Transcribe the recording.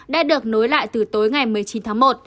đã được nối lại từ tối ngày một mươi chín tháng một